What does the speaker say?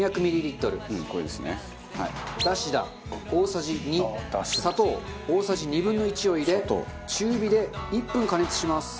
ダシダ大さじ２砂糖大さじ２分の１を入れ中火で１分加熱します。